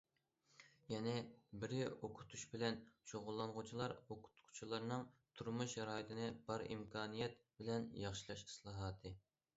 يەنى بىرى، ئوقۇتۇش بىلەن شۇغۇللانغۇچىلار- ئوقۇتقۇچىلارنىڭ تۇرمۇش شارائىتىنى بار ئىمكانىيەت بىلەن ياخشىلاش ئىسلاھاتى.